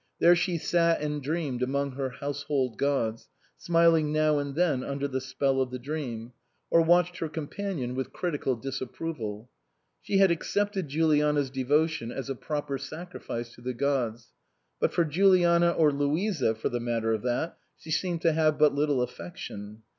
There she sat and dreamed among her household gods, smiling now and then under the spell of the dream, or watched her com panion with critical disapproval. She had ac cepted Juliana's devotion as a proper sacrifice to the gods ; but for Juliana, or Louisa for the matter of that, she seemed to have but little affection.